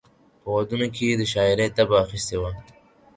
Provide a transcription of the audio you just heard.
په ودونو کې یې د شاعرۍ طبع اخیستې وه.